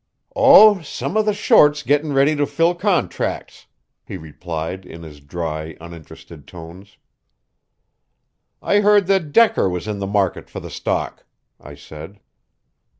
"Oh, some of the shorts getting ready to fill contracts," he replied in his dry, uninterested tones. "I heard that Decker was in the market for the stock," I said.